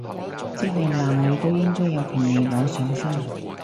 即係男女都應該有權利裸上身